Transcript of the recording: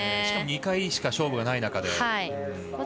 しかも２回しか勝負がない中でね。